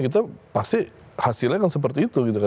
kita pasti hasilnya seperti itu